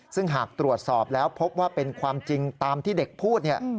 ซึ่งหากตรวจสอบแล้วพบว่าเป็นความจริงตามที่เด็กพูดเนี่ย